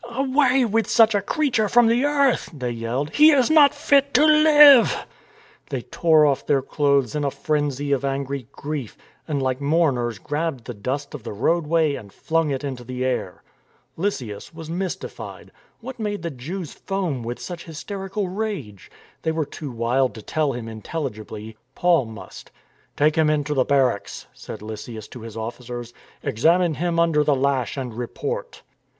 " Away with such a creature from the earth! " they yelled. " He is not fit to live." They tore off their clothes in a frenzy of angry 296 STORM AND STRESS grief, and like mourners grabbed the dust of the road way and flung it into the air. Lysias was mystified. What made the Jews foam with such hysterical rage ? They were too wild to tell him intelligibly. Paul must. " Take him into the barracks," said Lysias to his officers. " Examine him under the lash and report."